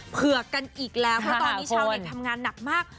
เผือกกันอีกแล้วเพราะตอนนี้ชาวเน็ตทำงานหนักมาก